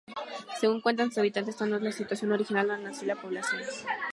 Según cuentan sus habitantes, está no es la situación original donde nació la población.